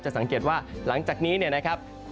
สังเกตว่าหลังจากนี้เนี่ยนะครับ